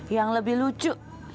yang lebih lucu